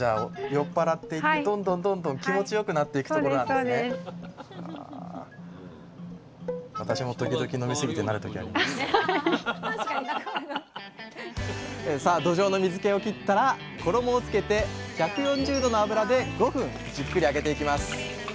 今じゃあさあどじょうの水けを切ったら衣をつけて１４０℃の油で５分じっくり揚げていきます